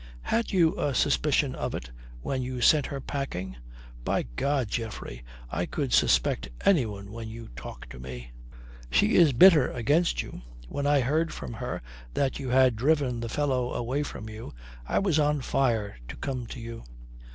Had you a suspicion of it when you sent her packing?" "By God, Geoffrey, I could suspect anyone when you talk to me." "She is bitter against you. When I heard from her that you had driven the fellow away from you, I was on fire to come to you."